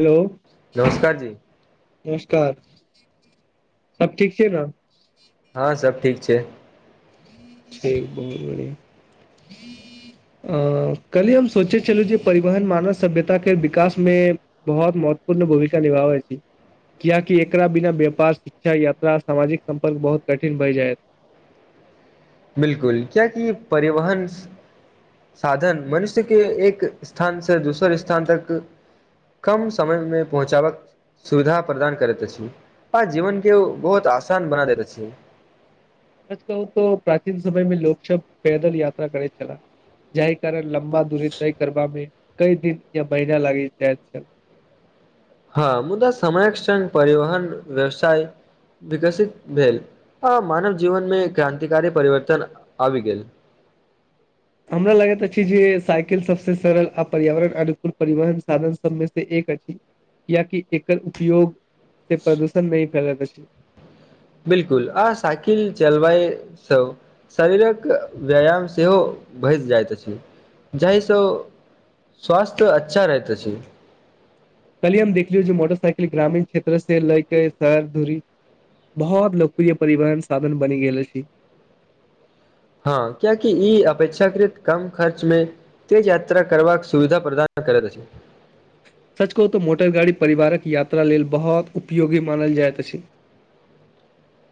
Hello, नमस्कार जी नमस्कार। सब ठीक छै ने। हँ सब ठीक छै। ठीक, बहुत बढ़िया। अ काल्हिये हम सोचै छलहुं जे परिवहन मानव सभ्यताके विकासमे बहुत महत्वपूर्ण भूमिका निभाबै छै, कियाकि एकरा बिना व्यापार, शिक्षा, यात्रा, सामाजिक सम्पर्क बहुत कठिन भए जायत। बिलकुल, कियाकि परिवहन साधन मनुष्यके एक स्थान से दोसर स्थान तक कम समयमे पहुंचाबक सुविधा प्रदान करैत अछि आ जीवन के बहुत आसान बना दैत अछि। सच कहु त प्राचीन समय मे लोक सब पैदल यात्रा करैत छलाह जाहि कारण लम्बा दूरी तय करबा मे कई दिन या महिना लागि जाइत छल। हां, मुदा समयक संग परिवहन व्यवसाय विकसित भेल आ मानव जीवनमे क्रान्तिकारी परिवर्तन आबि गेल। हमरा लगैत अछि जे साइकिल सबसे सरल आ पर्यावरण अनुकूल परिवहन साधन सबमे से एक अछि, कियाकि एकर उपयोग से प्रदूषण नहि फैलैत अछि। बिलकुल, आ साइकिल चलबायसं शरीरक व्यायाम सेहो भय जाइत अछि, जाहिसं स्वास्थ्य अच्छा रहैत अछि। काल्हि हम देखलियै जे मोटरसाइकिल ग्रामीण क्षेत्र से लए के शहर धरि बहुत लोकप्रिय परिवहन साधन बनि गेल अछि। हां, कियाकि ई अपेक्षाकृत कम खर्चमे तेज यात्रा करबाक सुविधा प्रदान करैत अछि। सच कहू तऽ मोटरगाड़ी परिवारक यात्रा लेल बहुत उपयोगी मानल जाइत अछि।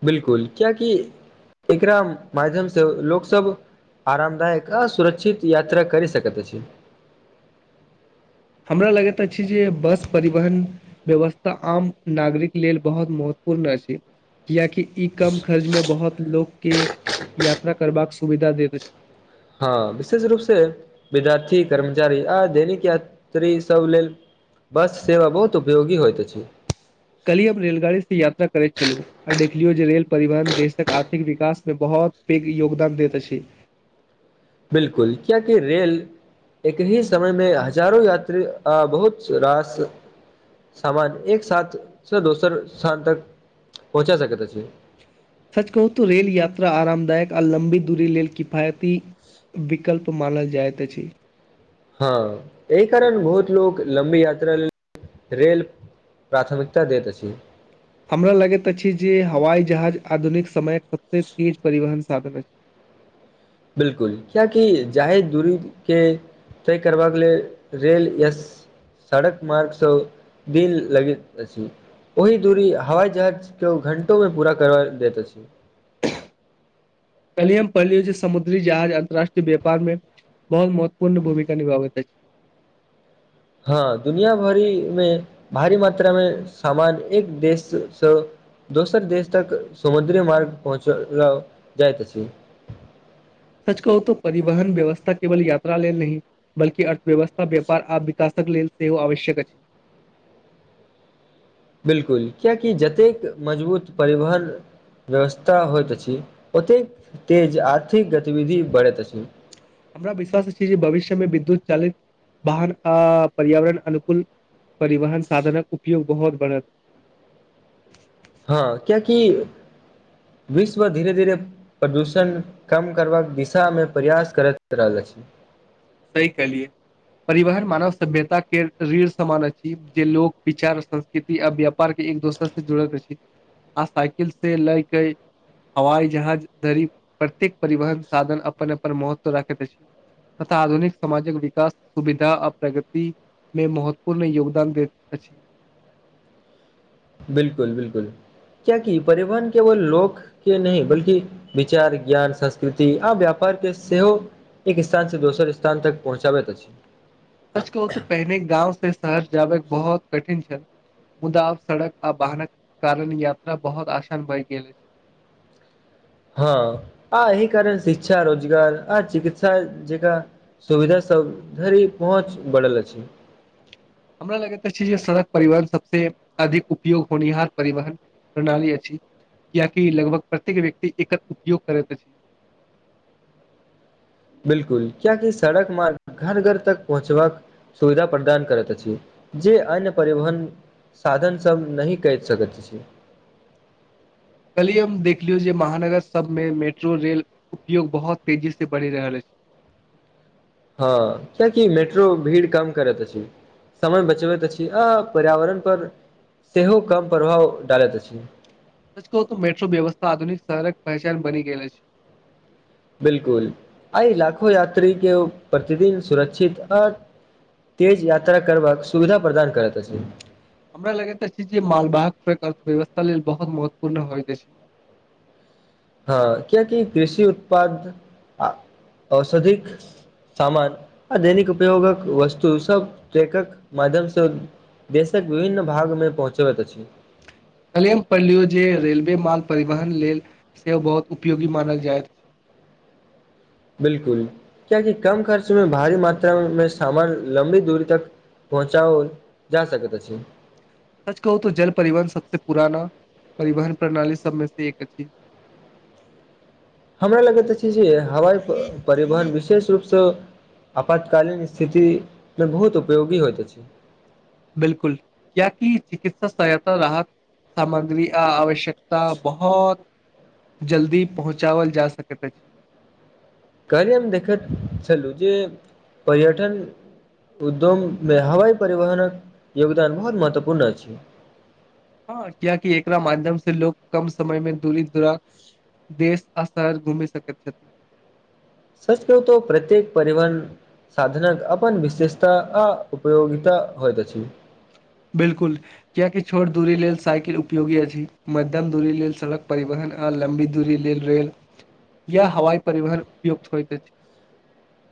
बिलकुल कियकि एकरा माध्यमसँ लोक सभ आरामदायक आ सुरक्षित यात्रा करि सकैत अछि। हमरा लगैत अछि जे बस परिवहन व्यवस्था आम नागरिक लेल बहुत महत्वपूर्ण अछि किआकि ई कम खर्च में बहुत लोक के, यात्रा करबाक सुविधा देैत अछि। हँ विशेष रूपसे विद्यार्थी, कर्मचारी आ दैनिक यात्री सभ लेल बस सेवा बहुत उपयोगी होइत अछि। कल्हि हम रेलगाड़ीसँ यात्रा करैत छलहुँ आ देखलियौ जे रेल परिवहन देशक आर्थिक विकासमे बहुत पैघ योगदान दैत अछि। बिलकुल कियाकि रेल एक ही समय मे हजारो यात्री आ बहुत रास सामान एक साथ से दोसर स्थान तक पहुँचा सकैत अछि। सच कहू तऽ रेल यात्रा आरामदायक आ लम्बी दूरी लेल किफायती विकल्प मानल जाइत अछि। हँ एहि कारण बहुत लोक लम्बी यात्रा लेल रेल प्राथमिकता दैत अछि। हमरा लगैत अछि जे हवाई जहाज आधुनिक समय सबसे तेज परिवहन सातन छैय बिलकुल कियाकि जायद दूरी के तय करबाक लेल रेल या सड़क मार्गसँ दिन लगैत अछि ओहि दूरी हवाई जहाज केओ घंटोमे पूरा करबा दैत अछि। कलियम पलिय समुद्री जहाज अन्तर्राष्ट्रीय व्यापार में बहुत महत्वपूर्ण भूमिका निभाबत ऐछ। हँ दुनिया भरि मे भारी मात्रा मे सामान एक देशसँ दोसर देश तक समुद्री मार्ग पहुँचल जाइत अछि। सच कहू तऽ परिवहन व्यवस्था केवल यात्रा लेल नहि बल्कि अर्थव्यवस्था व्यापार आ विकासक लेल सेहो आवश्यक अछि। बिलकुल कियकि जतेक मजबूत परिवहन व्यवस्था होइत अछि, ओतेक तेज आर्थिक गतिविधि बढ़ैत अछि। हमरा विश्वास अछि जे भविष्यमे विद्युत चालित वाहन आ पर्यावरण अनुकूल परिवहन साधनक उपयोग बहोत बढ़त। हँ कियकि विश्व धीरे धीरे प्रदूषण कम करबाक दिशामे प्रयास करैत रहल अछि। सही कहलियै परिवहन मानव सभ्यता के रीढ़ समान अछि जे लोग विचार संस्कृति आ व्यापार के एक दोसर से जुड़त अछि आ साइकिल से लय के हवाई जहाज धरि प्रत्येक परिवहन साधन अपन अपन महत्व राखैत अछि। आधुनिक समाजक विकास सुविधा आ प्रगतिमे महत्वपूर्ण योगदान दैत अछि। बिलकुल बिलकुल कियकि परिवहन केवल लोक के नहि बल्कि विचार, ज्ञान, संस्कृति आ व्यापार के सेहो एक स्थान से दोसर स्थान तक पहुँचाबैत अछि। सच कहू त पहिने गाँव से शहर जाबेक बहुत कठिन छैय मुदा आब सड़क आ वाहनक कारण यात्रा बहुत आसान भइ गेल। हँ आ एहि कारण शिक्षा, रोजगार आ चिकित्सा जका सुविधा सब धरि पहुँच बढ़ल अछि। हमरा लगैत अछि जे सड़क परिवहन सबसे अधिक उपयोग होनिहार परिवहन प्रणाली अछि कियकि लगभग प्रत्येक व्यक्ति एकर उपयोग करैत अछि। बिलकुल कियकि सड़क मार्ग घर घर तक पहुँचबाक सुविधा प्रदान करैत अछि जे अन्य परिवहन साधनसभ नहि क सकैत अछि। कलहि हम देखलियौ जे महानगर सभमे मेट्रो रेल उपयोग बहुत तेजीसँ बढ़ि रहल अछि। हँ कियकि मेट्रो भीड़ कम करैत अछि, समय बचबैत अछि आ पर्यावरण पर सेहो कम प्रभाव डालैत अछि। सच कहू त मेट्रो व्यवस्था आधुनिक शहरक पहचान बनी गेलल अइछ। बिलकुल आइ लाखो यात्री के प्रतिदिन सुरक्षित आ तेज यात्रा करबाक सुविधा प्रदान करैत अछि। हमरा लगै जा छी जे मालबाहक [unintelligible] व्यवस्था लेल बहुत महत्वपूर्ण हो जा छै हँ कियकि कृषि उत्पाद आ औषधिक सामान आ दैनिक उपयोगक वस्तु सभ ट्रकक माध्यमसँ देशक विभिन्न भागमे पहुँचबैत अछि। कलेम पढ़ लियौ जे रेलवे माल परिवहन लेल सेहो बहुत उपयोगी मानल जाइत। बिलकुल कियकि कम खर्चमे भारी मात्रामे सामान लम्बी दूरी तक पहुँचाअल जा सकैत अछि। सच कहू त जल परिवहन सबसे पुराना परिवहन प्रणाली सबमे से एक अछि। हमरा लगैत अछि जे हवाई परिवहन विशेष रूपसँ आपातकालीन स्थितिमे बहुत उपयोगी होइत अछि। बिलकुल कियकि चिकित्सा सहायता राहत सामग्री आ आवश्यकता बहुत जल्दी पहुँचावल जा सकैत अछि। कलहि हम देखैत छलहुँ जे पर्यटन उद्यममे हवाई परिवहनक योगदान बहुत महत्वपूर्ण अछि। हँ कियकि एकरा माध्यम से लोक कम समय मे दूरी दूरा देश आ शहर घूमि सकैत छथि। सच कहु त प्रत्येक परिवहन साधनक अपन विशेषता आ उपयोगिता होइत अछि। बिलकुल कियकि छोट दूरी लेल साइकिल उपयोगी अछि, मध्यम दूरी लेल सड़क परिवहन आ लम्बी दूरी लेल रेल या हवाई परिवहन उपयुक्त होइत अछि।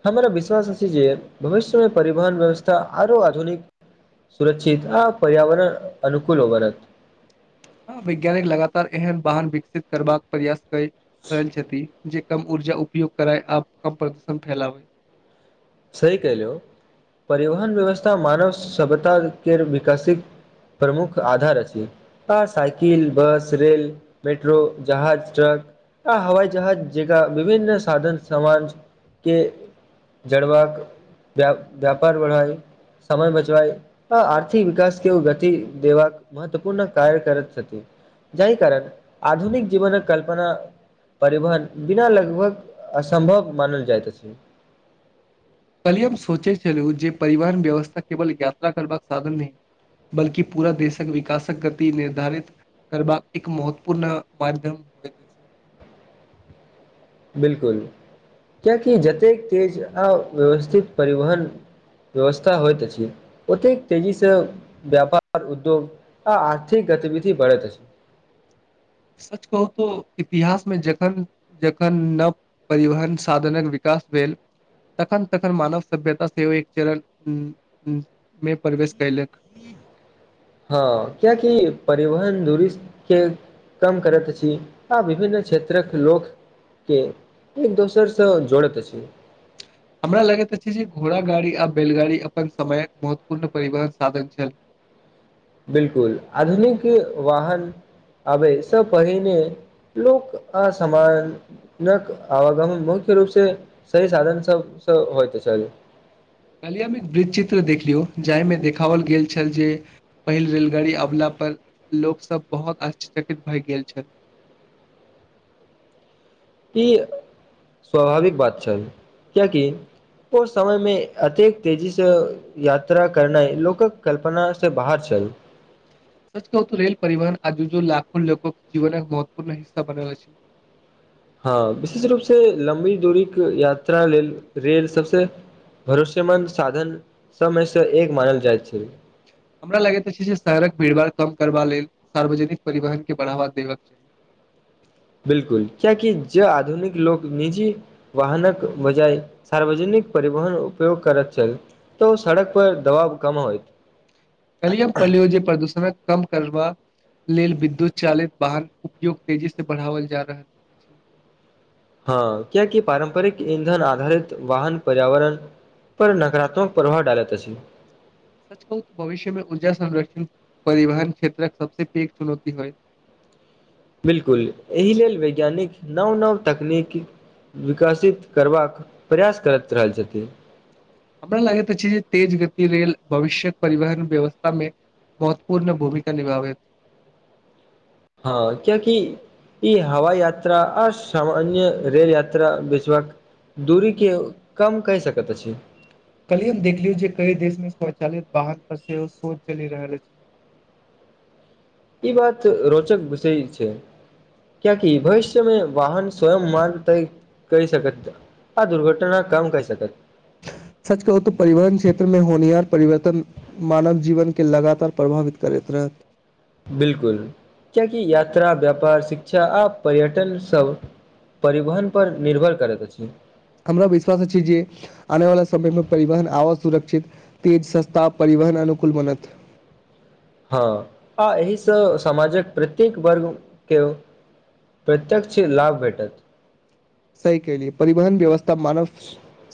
हमरा विश्वास अछि जे भविष्यमे परिवहन व्यवस्था आरो आधुनिक, सुरक्षित आ पर्यावरण अनुकूल हो बनत। हां, वैज्ञानिक लगातार एहन वाहन विकसित करबाक प्रयास क रहल छथि जे कम ऊर्जा उपयोग करय आ कम प्रदूषण फैलाबै। सही कहलहुं, परिवहन व्यवस्था मानव सभ्यता केर विकासक प्रमुख आधार अछि आ साइकिल, बस, रेल, मेट्रो, जहाज, ट्रक आ हवाई जहाज जकां विभिन्न साधन समाज के जड़बाक, व व्यापार बढ़ाइ, समय बचाइ आ आर्थिक विकास के गति देबाक महत्वपूर्ण कार्य करैत छथि, जाहि कारण आधुनिक जीवन कल्पना परिवहन बिना लगभग असम्भव मानल जाइत अछि। काल्हिये हम सोचैत छलहुं जे परिवहन व्यवस्था केवल यात्रा करबाक साधन नहि, बल्कि पूरा देशक विकासक गति निर्धारित करबाक एक महत्वपूर्ण माध्यम होइत अछि। बिलकुल, कियाकि जतेक तेज आ व्यवस्थित परिवहन व्यवस्था होइत अछि ओतेक तेजीसे व्यापार उद्योग आ आर्थिक गतिविधि बढ़ैत अछि। सच कहु तं इतिहासमे जखन-जखन नव परिवहन साधनक विकास भेल, तखन-तखन मानव सभ्यता सेहो एक चरण मे प्रवेश कयलक। हां, कियाकि परिवहन दूरी के कम करैत अछि आ विभिन्न क्षेत्रक लोकके एक दोसरसं जोड़ैत अछि। हमरा लगैत अछि जे घोड़ा गाड़ी आ बैलगाड़ी अपन समयक महत्वपूर्ण परिवहन साधन छल। बिलकुल आधुनिक वाहन आबयसँ पहिने लोक असामानक आवागम मुख्य रूप से सही साधन सबसँ होइत छल। कलियामे एक वृद्ज चित्र देख लियौ जाहिमे देखाओल गेल छल जे पहिल रेलगाड़ी अबला पर लोकसभ बहुत आशचकित भए गेल छल। ई स्वाभाविक बात छल कियकि ओ समय मे अतेक तेजी से यात्रा करनाइ लोकक कल्पना से बाहर छल। सच कहू त रेेल परिवहन आजूजू लाखो लोकक जीवनक महत्वपूर्ण हिस्सा बनल छैय। हां, विशेष रूपसे लम्बी दूरीक यात्रा लेल, रेल सबसे भरोसेमंद साधन सबमे से एक मानल जाइत छै। हमरा लगैत अछि जे शहरक भीड़भाड़ कम करबा लेल, सार्वजनिक परिवहनके बढ़ावा देबाक चाही। बिलकुल, कियाकि जं आधुनिक लोक निजी वाहनक बजाय सार्वजनिक परिवहन उपयोग करैत छथि त ओ सड़क पर दबाव कम होयत। काल्हिये हम पढ़लियै जे प्रदूषणक कम करबाक लेल विद्युत चालित वाहन उपयोग तेजी से बढ़ाओल जा रहल। हां, कियाकि पारम्परिक ईंधन आधारित वाहन पर्यावरण पर नकारात्मक प्रभाव डालैत अछि। सच कहु त भविष्यमे ऊर्जा संरक्षण परिवहन क्षेत्रक सबसं पैघ चुनौती होयत। बिलकुल, एहि लेल वैज्ञानिक नव नव तकनीक विकसित करबाक प्रयास करैत रहल छथि। हमरा लगैत अछि जे तेज गति लेल भविष्य्यक परिवहन व्यवस्थामे महत्वपूर्ण भूमिका निभाबैत। हां, कियाकि इ हवाई यात्रा आ सामान्य रेल यात्रा बीचक दूरी के कम कय सकैत अछि। काल्हिये हम देखलियै जे कई देश मे स्वचालित वाहन पर सेहो शोध चलि रहल अति। इ बात रोचक विषय छै, कियाकि भविष्यमे वाहन स्वयं मान तय कय सकत आ दुर्घटना कम कय सकत। सच कहु तं परिवहन क्षेत्रमे होनिहार परिवर्तन मानव जीवनके लगातार प्रभावित करैत रहत। बिलकुल, कियाकि यात्रा, व्यापार, शिक्षा आ पर्यटन सब परिवहन पर निर्भर करैत अछि। हमरा विश्वास अछि जे आनेवला समयमे परिवहन आवाज, सुरक्षित, तेज, सस्ता परिवहन, अनुकूल बनत। हां, आ एहिसं समाजक प्रत्येक वर्गके प्रत्यक्ष लाभ भेटत। सही कहलियै, परिवहन व्यवस्था मानव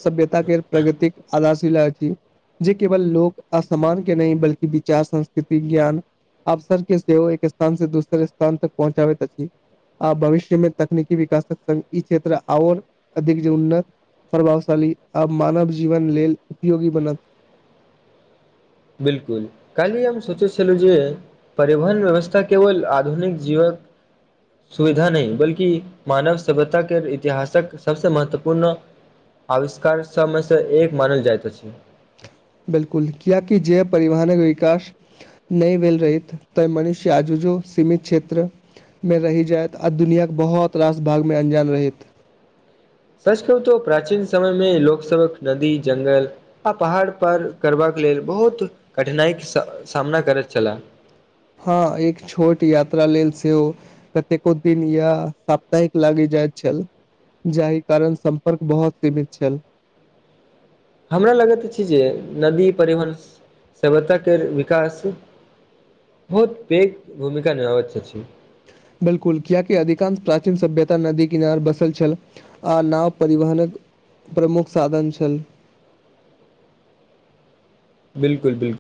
सभ्यता के प्रगतिक आगाज हिला कि जे केवल लोक असमान के नहि बल्कि विचार, संस्कृति, ज्ञान, अवसर के सेहो एक स्थान से दोसर स्थान तक पहुँचाबैत अछि आ भविष्य मे तकनीकी विकासक संग ई क्षेत्र और अधिक जे उन्नत प्रभावशाली आ मानव जीवन लेल उपयोगी बनत। बिलकुल, काल्हि हम सोचैत छलहुं जे परिवहन व्यवस्था केवल आधुनिक जीवक सुविधा नहि, बल्कि मानव सभ्यताके इतिहासक सबसं महत्वपूर्ण आविष्कार सबमेसं एक मानल जाइत अछि। बिलकुल, कियाकि जे परिवहनक विकास नहि भेल रहैत त मनुष्य आजुजो सीमित क्षेत्रमे रहि जायत आ दुनियाक बहुत रास भागमे अनजान रहैत। सच कहु तं प्राचीन समयमे लोकसबक नदी जंगल आ पहाड़ पर करबाक लेल बहुत कठिनाइके सामना करैत छलाह। हां, एक छोट यात्रा लेल सेहो कतेको दिन या साप्ताहिक लागि जाइत छल, जाहि कारण सम्पर्क बहुत सीमित छल। हमरा लगैत अछि जे नदी परिवहन, सभ्यताके विकास बहुत पैघ भूमिका निभाबैत अछि। बिलकुल, कियाकि अधिकांश प्राचीन सभ्यता नदी किनार बसल छल आ नाव परिवहनक प्रमुख साधन छल। बिलकुल बिलकुल।